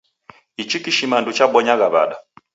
Ichi kishimandu chabonyagha w'ada?